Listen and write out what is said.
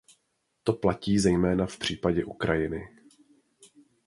To platí zejména v případě Ukrajiny.